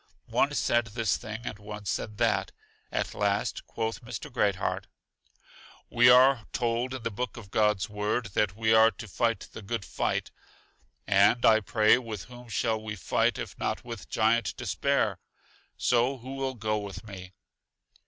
One said this thing and one said that; at last quoth Mr. Great heart: We are told in the book of God's Word, that we are to fight the good fight. And, I pray, with whom should we fight if not with Giant Despair? So who will go with me?